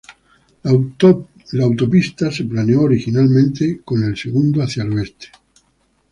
La autopista se planeó originalmente con El Segundo hacia el oeste.